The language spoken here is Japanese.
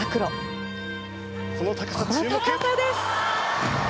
この高さです！